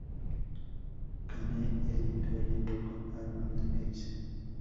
Kane editó el libro con Armand Eisen.